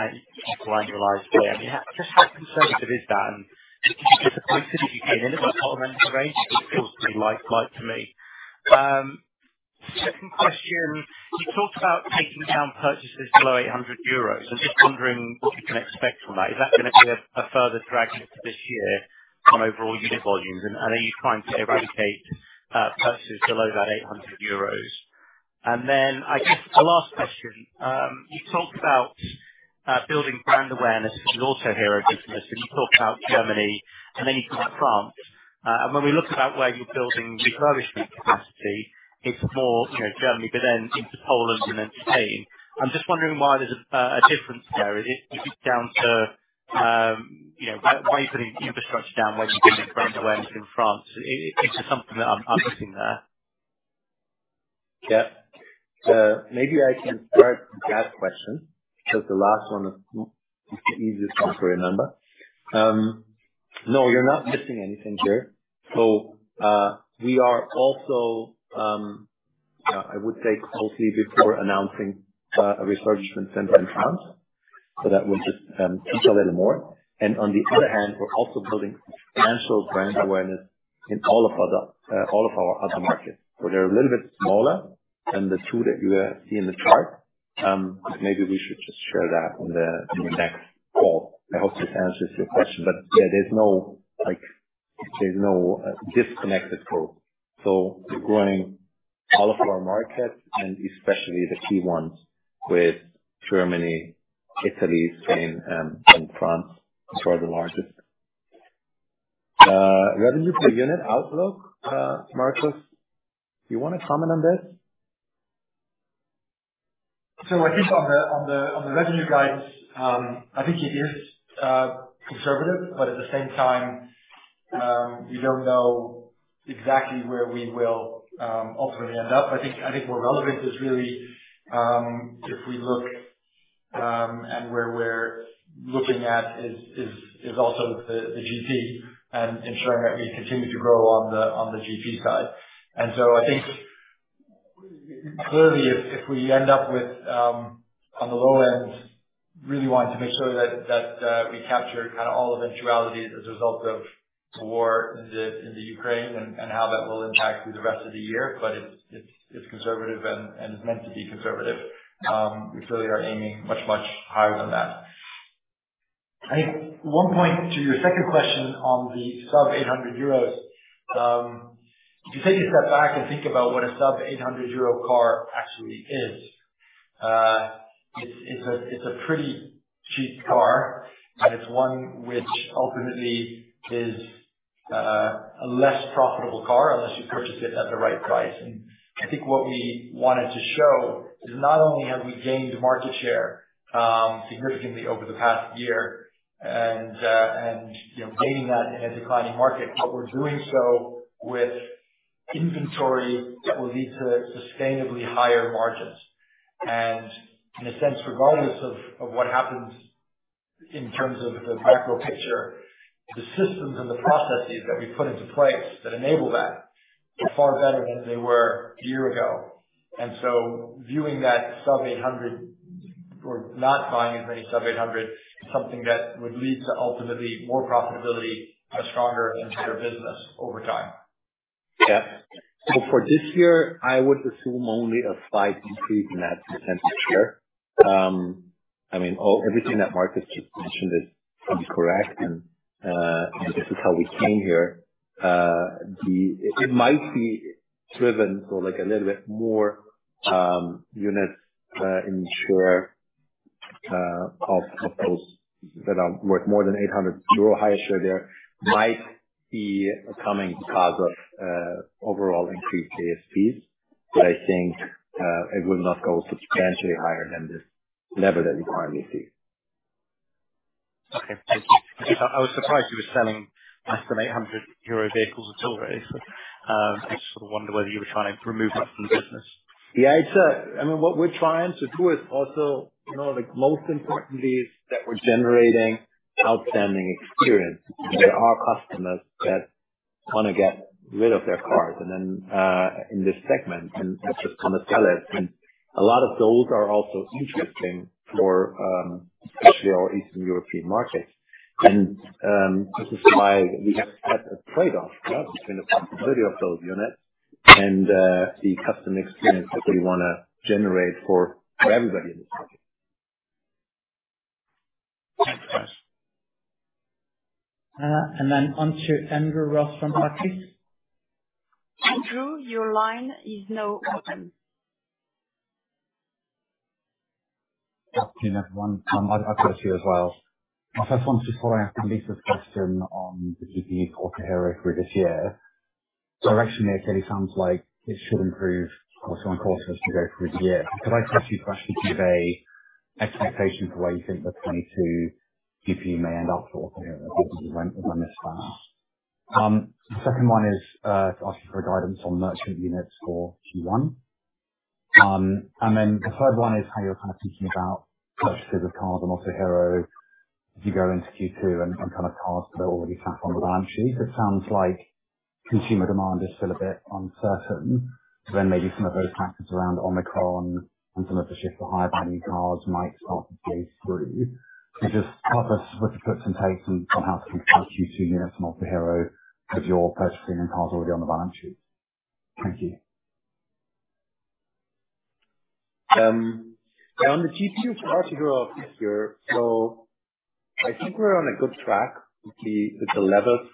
annualized year. I mean, how just how conservative is that? And if you put the points that you gave in the bottom end of the range, it feels pretty light to me. Second question. You talked about taking down purchases below 800 euros. I'm just wondering what we can expect from that. Is that going to be a further drag this year on overall unit volumes? And I know you're trying to eradicate purchases below that 800 euros. And then I guess a last question. You talked about building brand awareness in the Autohero business, and you talked about Germany and then France. When we look at where you're building refurbishment capacity, it's more, you know, Germany, but then into Poland and then Spain. I'm just wondering why there's a difference there, is it down to, you know, by the way you're putting infrastructure down, where you're building brand awareness in France? Is there something that I'm missing there? Yeah. Maybe I can start with that question, because the last one is, it's the easiest one to remember. No, you're not missing anything here. We are also, I would say, close to announcing a refurbishment center in France. That will just reach a little more. On the other hand, we're also building brand awareness in all of our other markets. They're a little bit smaller than the two that you see in the chart. Maybe we should just share that on the next call. I hope this answers your question, but yeah, there's no, like, disconnected growth. We're growing all of our markets and especially the key ones with Germany, Italy, Spain, and France, which are the largest. Revenue per unit outlook, Markus, do you want to comment on this? At least on the revenue guidance, I think it is conservative, but at the same time, we don't know exactly where we will ultimately end up. I think more relevant is really if we look and where we're looking at is also the GP and ensuring that we continue to grow on the GP side. I think clearly if we end up with on the low end, really wanting to make sure that we capture kind of all eventualities as a result of the war in Ukraine and how that will impact through the rest of the year. But it's conservative and it's meant to be conservative. We truly are aiming much higher than that. I think one point to your second question on the sub EUR 800, if you take a step back and think about what a sub-EUR 800 car actually is, it's a pretty cheap car, but it's one which ultimately is a less profitable car unless you purchase it at the right price. I think what we wanted to show is not only have we gained market share significantly over the past year and you know, gaining that in a declining market, but we're doing so with inventory that will lead to sustainably higher margins. In a sense, regardless of what happens in terms of the macro picture, the systems and the processes that we put into place that enable that are far better than they were a year ago. Viewing that sub-800 or not buying as many sub-800 is something that would lead to ultimately more profitability, a stronger and bigger business over time. For this year, I would assume only a slight increase in that percentage share. Everything that Markus just mentioned is correct, and this is how we came here. It might be driven by like a little bit more units of those that are worth more than 800 euro. Higher share there might be coming because of overall increased ASPs, but I think it will not go substantially higher than this, than what you currently see. Okay. Thank you. Because I was surprised you were selling less than 800 euro vehicles at all really. I just sort of wonder whether you were trying to remove that from the business. Yeah, it's, I mean, what we're trying to do is also, you know, like most importantly is that we're generating outstanding experience. There are customers that want to get rid of their cars and then in this segment, and they just want to sell it. A lot of those are also interesting for, especially our Eastern European markets. This is why we have to have a trade-off, yeah? Between the profitability of those units and, the customer experience that we want to generate for everybody in this market. Thanks, guys. Onto Andrew Ross from Barclays. Andrew, your line is now open. Good afternoon, everyone. I'd love to as well. I first want to follow up on Lisa's question on the GPU for Autohero for this year. Directionally, it sounds like it should improve or so on course as we go through the year. Could I just ask you to actually give a expectation for where you think the 2022 GPU may end up for Autohero? Obviously when this starts. The second one is to ask you for a guidance on merchant units for Q1. The third one is how you're kind of thinking about purchases of cars on Autohero as you go into Q2 and kind of cars that are already sat on the balance sheet. It sounds like consumer demand is still a bit uncertain, so then maybe some of those factors around Omicron and some of the shift to higher value cars might start to play through. Just help us with the puts and takes on how Q2 units in Autohero, because you're purchasing cars already on the balance sheet. Thank you. On the GPU for Autohero this year. I think we're on a good track with the levers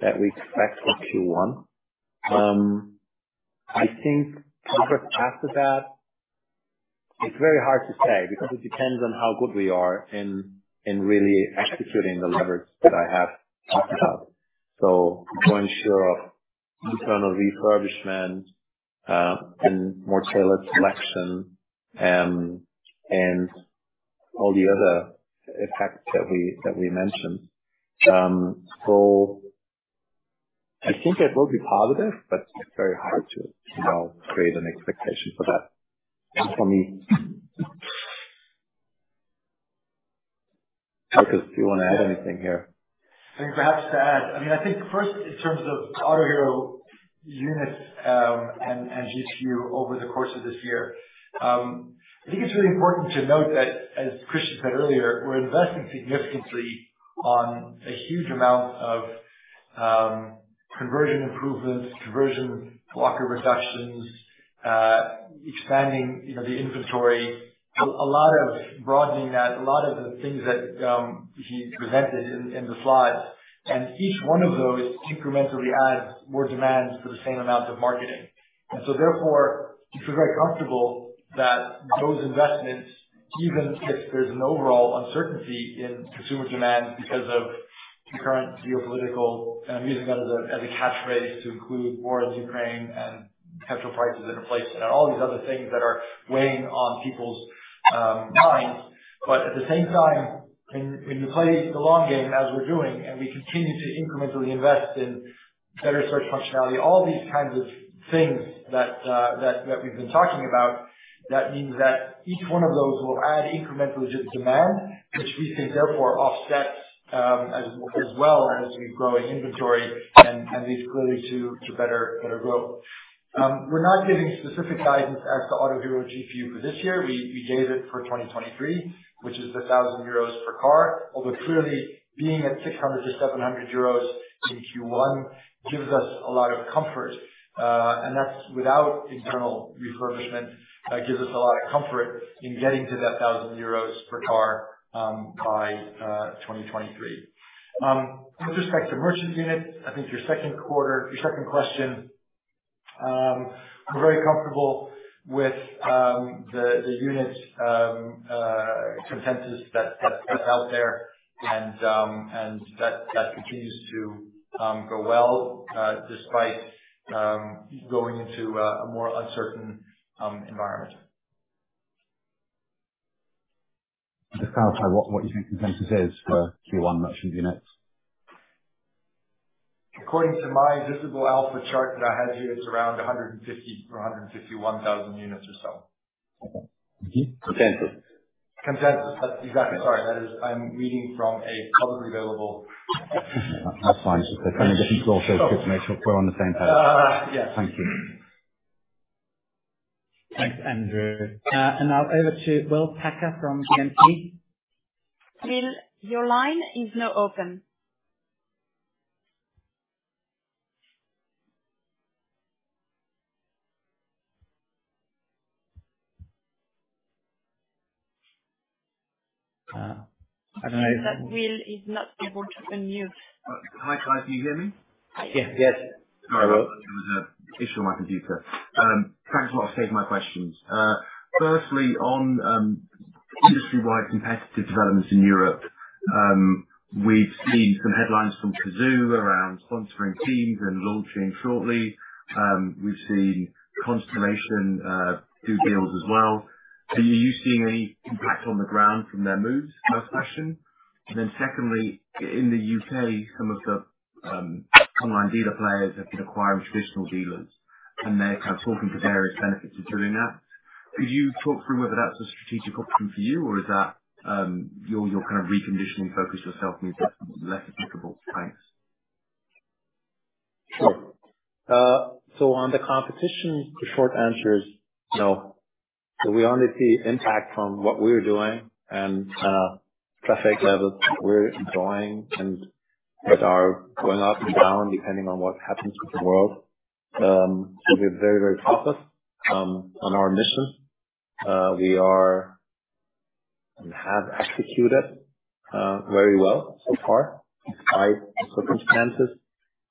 that we expect for Q1. I think sort of after that, it's very hard to say because it depends on how good we are in really executing the levers that I have talked about. To ensure internal refurbishment and more tailored selection and all the other effects that we mentioned. I think it will be positive, but very hard to, you know, create an expectation for that for me. Markus, do you want to add anything here? I think perhaps to add. I mean, I think first in terms of Autohero units and GPU over the course of this year, I think it's really important to note that, as Christian said earlier, we're investing significantly on a huge amount of conversion improvements, conversion blocker reductions, expanding, you know, the inventory, a lot of broadening that. A lot of the things that he presented in the slides, and each one of those incrementally adds more demand for the same amount of marketing. Therefore, we feel very comfortable that those investments, even if there's an overall uncertainty in consumer demand because of the current geopolitical, and I'm using that as a catch-phrase to include war in Ukraine and petrol prices that are in place, and all these other things that are weighing on people's minds. At the same time, when you play the long game as we're doing, and we continue to incrementally invest in better search functionality, all these kinds of things that that we've been talking about, that means that each one of those will add incremental demand, which we think therefore offsets, as well as we grow inventory and leads clearly to better growth. We're not giving specific guidance as to Autohero GPU for this year. We gave it for 2023, which is 1,000 euros per car. Although clearly being at 600-700 euros in Q1 gives us a lot of comfort. And that's without internal refurbishment gives us a lot of comfort in getting to that 1,000 euros per car by 2023. With respect to merchant units, I think your second question, we're very comfortable with the unit consensus that's out there and that continues to grow well despite going into a more uncertain environment. Just to clarify what your consensus is for Q1 merchant units. According to my Visible Alpha chart that I have here, it's around 150-151 thousand units or so. Okay. Thank you. Consensus. Consensus. That's exactly. Sorry, I'm reading from a publicly available That's fine. Just, there's so many different sources of information, just want to make sure we're on the same page. Yes. Thank you. Thanks, Andrew. Now over to William Packer from BNP. Will, your line is now open. I don't know if That Will is not able to unmute. Hi, guys. Can you hear me? Yes. Yes. Sorry about that. There was an issue on my computer. Thanks a lot. I'll save my questions. Firstly on industry-wide competitive developments in Europe, we've seen some headlines from Cazoo around sponsoring teams and launching shortly. We've seen Constellation do deals as well. Are you seeing any impact on the ground from their moves? First question. Then secondly, in the UK, some of the online dealer players have been acquiring traditional dealers, and they're kind of talking about various benefits of doing that. Could you talk through whether that's a strategic option for you or is that your kind of reconditioning focus yourself means it's less applicable? Thanks. Sure. On the competition, the short answer is no. We only see impact from what we're doing and traffic levels we're enjoying and that are going up and down depending on what happens with the world. We're very, very focused on our mission. We are and have executed very well so far, despite circumstances,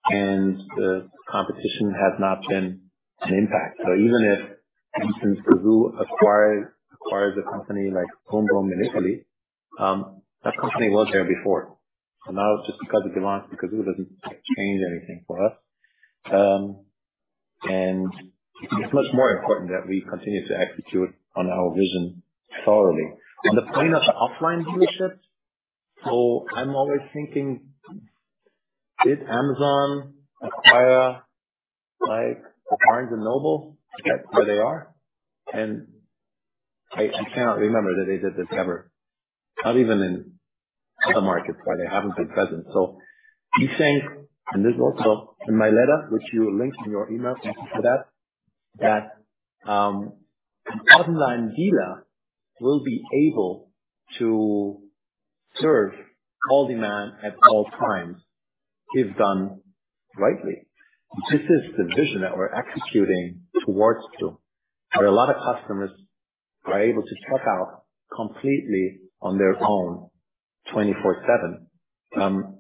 and the competition has not been an impact. Even if, for instance, Cazoo acquires a company like brumbrum in Italy, that company was there before. Now just because it belongs to Cazoo doesn't change anything for us. And it's much more important that we continue to execute on our vision thoroughly. On the point of the offline dealerships, I'm always thinking, did Amazon acquire, like, a Barnes & Noble at where they are? I cannot remember that they did this ever, not even in other markets where they haven't been present. You think, and there's also in my letter, which you linked in your email, thank you for that an online dealer will be able to serve all demand at all times if done rightly. This is the vision that we're executing towards to, where a lot of customers are able to shop out completely on their own 24/7.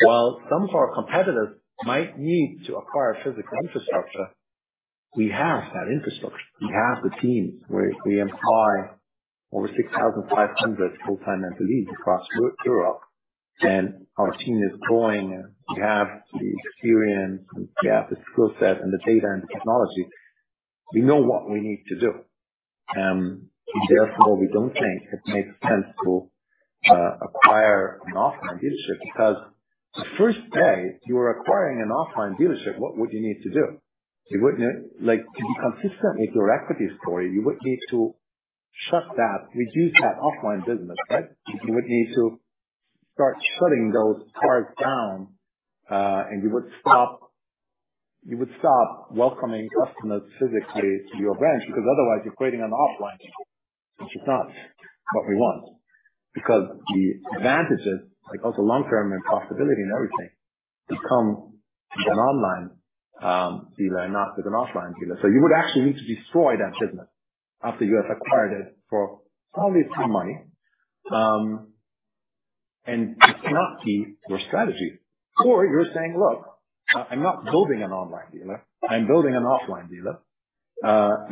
While some of our competitors might need to acquire physical infrastructure. We have that infrastructure. We have the teams where we employ over 6,500 full-time employees across Europe, and our team is growing. We have the experience, we have the skill set and the data and the technology. We know what we need to do. Therefore, we don't think it makes sense to acquire an offline dealership because the first day you are acquiring an offline dealership, what would you need to do? You would like, to be consistent with your equity story, you would need to shut that, reduce that offline business, right? You would need to start shutting those cars down, and you would stop welcoming customers physically to your branch, because otherwise you're creating an offline, which is not what we want. Because the advantages, like also long-term and profitability and everything, become an online dealer and not with an offline dealer. You would actually need to destroy that business after you have acquired it for probably some money, and it's not key to your strategy. You're saying, "Look, I'm not building an online dealer. I'm building an offline dealer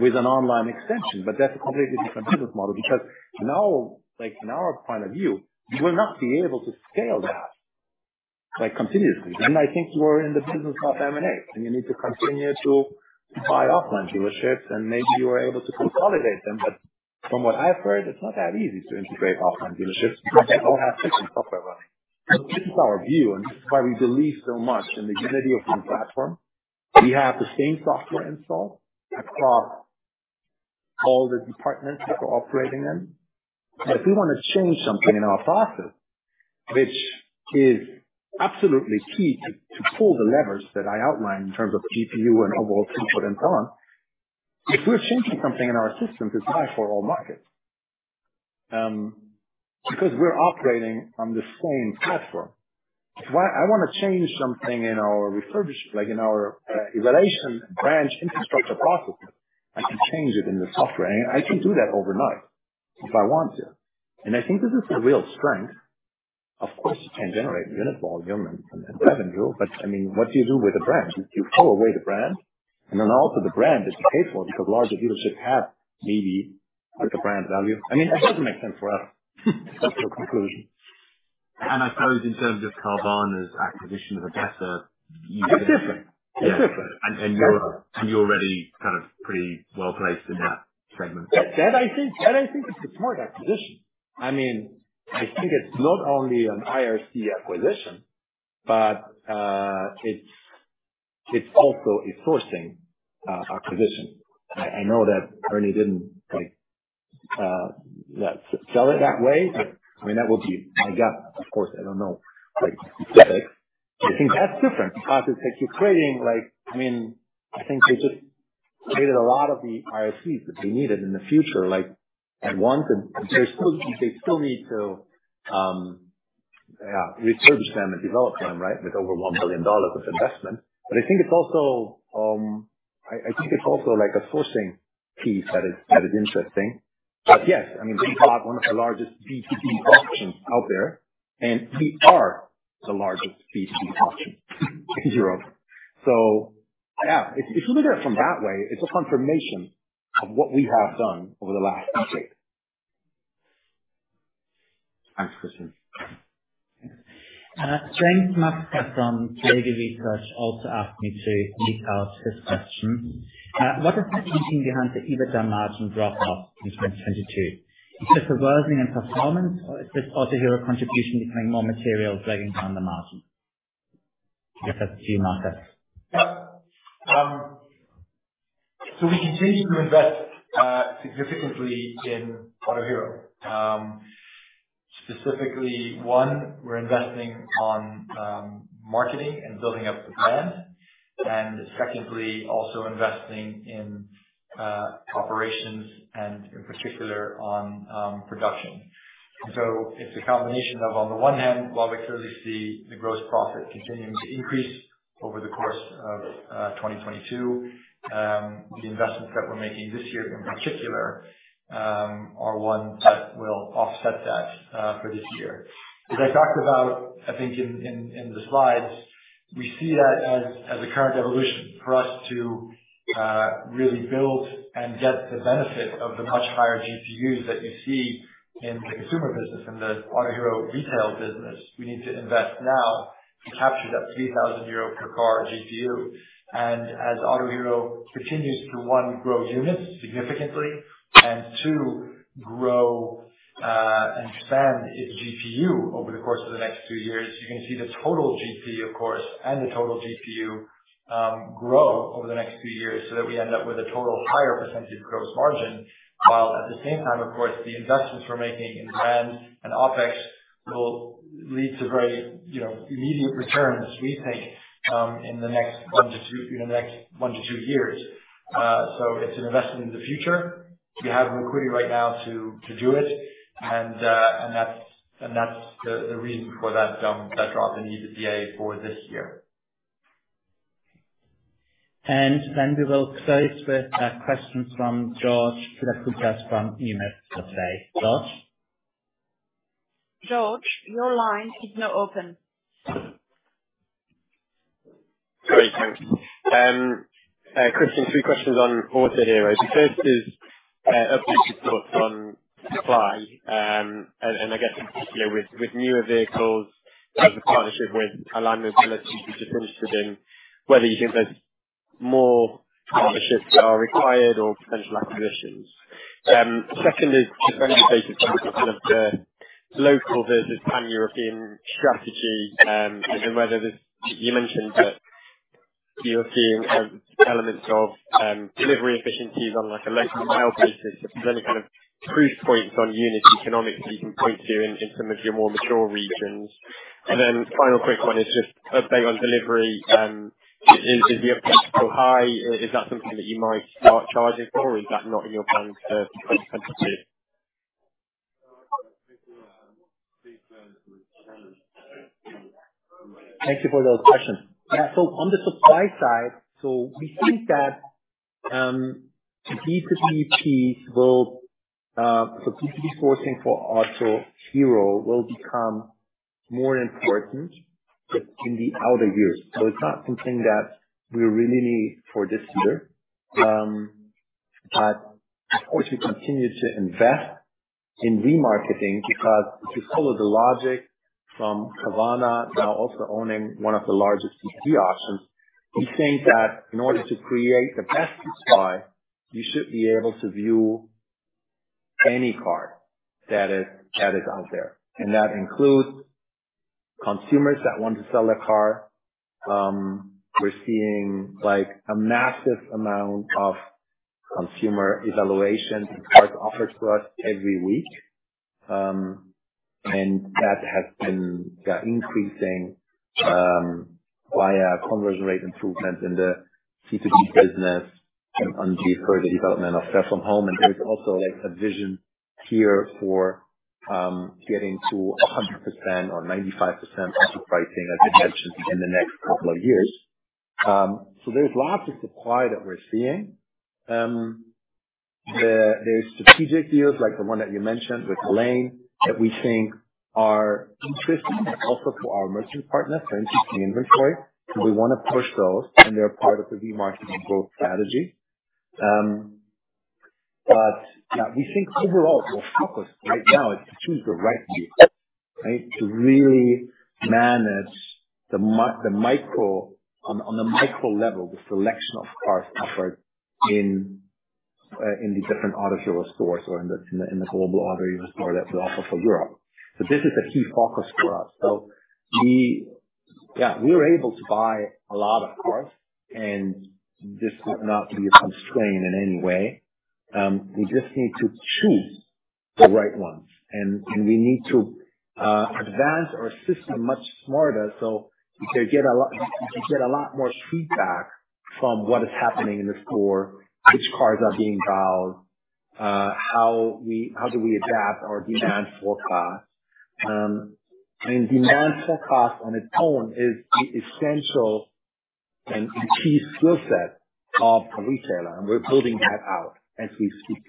with an online extension." That's a completely different business model because now, like from our point of view, you will not be able to scale that, like, continuously. I think you are in the business of M&A, and you need to continue to buy offline dealerships, and maybe you are able to consolidate them. From what I've heard, it's not that easy to integrate offline dealerships because they all have different software running. This is our view, and this is why we believe so much in the unity of one platform. We have the same software installed across all the departments that we're operating in. If we want to change something in our process, which is absolutely key to pull the levers that I outlined in terms of GPU and overall throughput and so on. If we're changing something in our system, it's live for all markets, because we're operating on the same platform. If I want to change something in our refurbish, like in our evaluation branch infrastructure processes, I can change it in the software. I can do that overnight if I want to. I think this is the real strength. Of course, you can generate unit volume and revenue, but I mean, what do you do with the brand? Do you throw away the brand? Then also the brand is capable because larger dealerships have maybe like a brand value. I mean, that doesn't make sense for us. That's our conclusion. I suppose in terms of Carvana's acquisition of ADESA, you- It's different. Yeah. You're already kind of pretty well placed in that segment. I think that is a smart acquisition. I mean, I think it's not only an IRC acquisition, but it's also a sourcing acquisition. I know that Ernie didn't like sell it that way, but I mean, that would be my guess. Of course, I don't know like specifics. I think that's different because it keeps creating. I mean, I think they just created a lot of the IRCs that they needed in the future, like at once. They still need to refurbish them and develop them, right? With over $1 billion of investment. I think it's also like a sourcing piece that is interesting. Yes, I mean, they bought one of the largest B2B platforms out there, and we are the largest B2B platform in Europe. Yeah, if you look at it from that way, it's a confirmation of what we have done over the last decade. Thanks, Christian. James Meakin from Kelechi Research also asked me to read out this question. What is the thinking behind the EBITDA margin drop-off in 2022? Is this a worsening in performance or is this also your contribution becoming more material, dragging down the margin? I guess that's to you, Markus. Yeah. We continue to invest significantly in Autohero. Specifically, one, we're investing in marketing and building up the brand. Secondly, also investing in operations and in particular in production. It's a combination of, on the one hand, while we clearly see the gross profit continuing to increase over the course of 2022, the investments that we're making this year in particular are ones that will offset that for this year. As I talked about, I think in the slides, we see that as a current evolution for us to really build and get the benefit of the much higher GPUs that you see in the consumer business, in the Autohero retail business. We need to invest now to capture that 3,000 euro per car GPU. As Autohero continues to one, grow units significantly, and two, grow and expand its GPU over the course of the next few years, you're going to see the total GP, of course, and the total GPU grow over the next few years so that we end up with a total higher percentage gross margin. While at the same time, of course, the investments we're making in brand and OpEx will lead to very you know immediate returns, we think, in the next one to two years. So it's an investment in the future. We have liquidity right now to do it. That's the reason for that drop in EBITDA for this year. We will close with a question from George Pilakoutas from EMSA. George? George, your line is now open. Great, thank you. Christian, two questions on Autohero. The first is updated thoughts on supply. I guess in particular with newer vehicles as a partnership with Allane SE We're just interested in whether you think there's more partnerships that are required or potential acquisitions. Second is just any updates in terms of kind of the local versus Pan-European strategy, and then whether there's proof points on unit economics that you can point to in some of your more mature regions. You mentioned that you're seeing elements of delivery efficiencies on, like, a local mile basis. Final quick one is just update on delivery. Is your price still high? Is that something that you might start charging for, or is that not in your plans for 2022? Thank you for those questions. On the supply side, we think that C2C piece will specifically sourcing for Autohero will become more important but in the outer years. It's not something that we really need for this year. Of course, we continue to invest in Remarketing because if you follow the logic from Carvana now also owning one of the largest C2C options, we think that in order to create the best supply, you should be able to view any car that is out there. That includes consumers that want to sell their car. We're seeing, like, a massive amount of consumer evaluations and cars offered to us every week. That has been increasing via conversion rate improvements in the C2C business and the further development of Sell from Home. There is also, like, a vision here for getting to 100% or 95% auto pricing, as I mentioned, in the next couple of years. So there's lots of supply that we're seeing. There's strategic deals like the one that you mentioned with Allane, that we think are interesting also for our merchant partners to increase the inventory. So we want to push those, and they're part of the B2B marketing growth strategy. But, yeah, we think overall our focus right now is to choose the right vehicle, right? To really manage the micro level, the selection of cars offered in the different Autohero stores or in the global Autohero store that we offer for Europe. So this is a key focus for us. We... Yeah, we are able to buy a lot of cars and this would not be a constraint in any way. We just need to choose the right ones. We need to advance our system much smarter, so we can get a lot more feedback from what is happening in the store, which cars are being valued, how do we adapt our demand forecast. Demand forecast on its own is the essential and key skill set of a retailer, and we're building that out as we speak.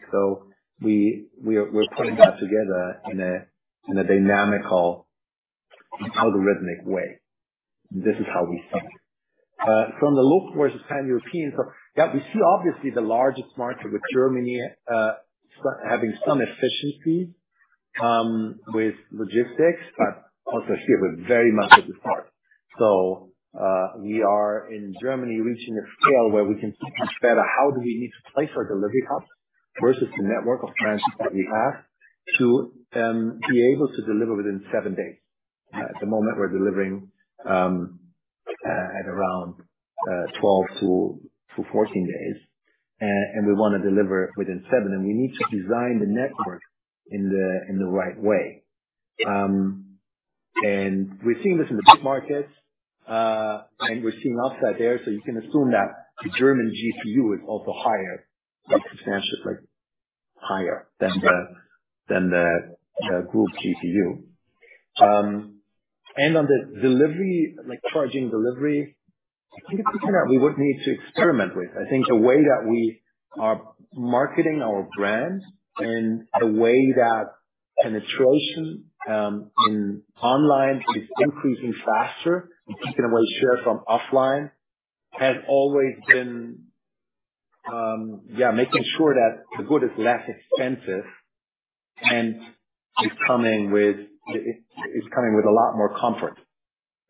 We're putting that together in a dynamic algorithmic way. This is how we see it. From the local versus Pan-European. Yeah, we see obviously the largest market with Germany having some efficiency with logistics, but also here with very much with the car. We are in Germany reaching a scale where we can think much better how do we need to place our delivery hubs versus the network of branches that we have to be able to deliver within seven days. At the moment we're delivering at around 12-14 days. We want to deliver within seven, and we need to design the network in the right way. We're seeing this in the big markets, and we're seeing upside there, so you can assume that the German GPU is also higher, like, substantially higher than the group GPU. On the delivery, like charging delivery, I think it's something that we would need to experiment with. I think the way that we are marketing our brand and the way that penetration in online is increasing faster and taking away share from offline has always been making sure that the good is less expensive and is coming with it's coming with a lot more comfort.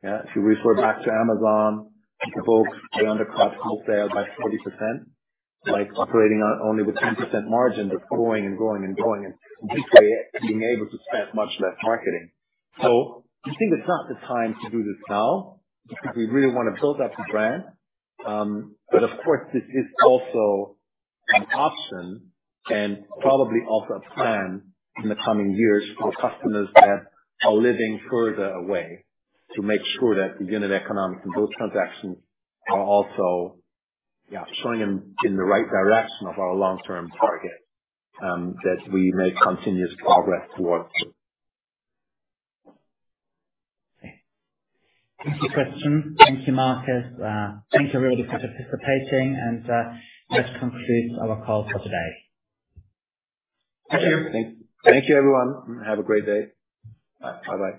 If you refer back to Amazon, Barnes & Noble, they undercut wholesale by 40%, like operating on only with 10% margin, but growing and growing and growing, and basically being able to spend much less marketing. We think it's not the time to do this now because we really want to build up the brand. Of course this is also an option and probably also a plan in the coming years for customers that are living further away, to make sure that the unit economics in those transactions are also, yeah, showing in the right direction of our long-term target, that we make continuous progress towards. Thank you, Christian. Thank you, Markus. Thank you everybody for participating. This concludes our call for today. Thank you. Thank you, everyone, and have a great day. Bye-bye.